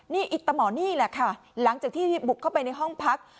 นี่อิตหมอนี่แหละค่ะหลังจากที่บุกเข้าไปในห้องพัก